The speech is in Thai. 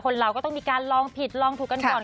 เราก็ต้องมีการลองผิดลองถูกกันก่อน